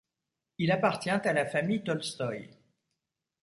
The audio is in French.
Il appartient à la famille Tolstoï.